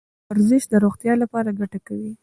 ورزش د روغتیا لپاره ګټه کوي .